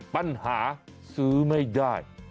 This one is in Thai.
ปัญหาซื้อไม่ได้